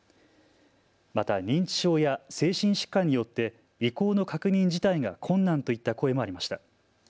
また認知症や精神疾患によって意向の確認自体が困難といった声もありました。